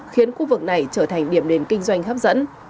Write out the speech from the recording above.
khiến khu vực này trở thành điểm nền kinh doanh hấp dẫn